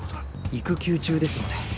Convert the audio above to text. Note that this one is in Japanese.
育休中ですので。